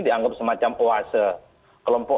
dianggap semacam puasa kelompok